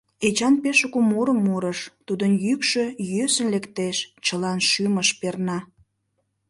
Эчан пеш шуко мурым мурыш, тудын йӱкшӧ йӧсын лектеш, чылан шӱмыш перна.